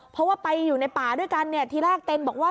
เพราะว่าไปอยู่ในป่าด้วยกันเนี่ยทีแรกเต็นบอกว่า